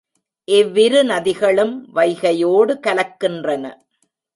இவ்விரு நதிகளும் வைகையோடு கலக்கின்றன.